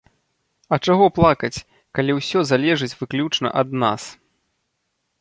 А чаго плакаць, калі ўсё залежыць выключна ад нас?